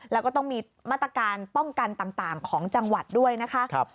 แล้วก็ต้องมีมาตรการป้องกันต่างของจังหวัดด้วยนะคะ